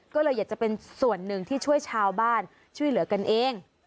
ก็เลยอยากจะเป็นส่วนหนึ่งที่ช่วยชาวบ้านช่วยเหลือกันเอง